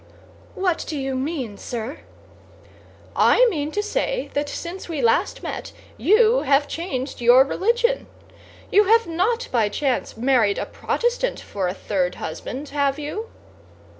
"What do you mean, sir!" "I mean to say that since we last met you have changed your religion. You have not by chance married a Protestant for a third husband, have you?"